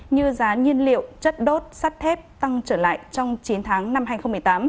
như giá nhiên liệu chất đốt sắt thép tăng trở lại trong chín tháng năm hai nghìn một mươi tám